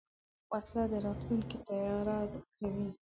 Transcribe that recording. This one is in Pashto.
وسله د راتلونکي تیاره کوي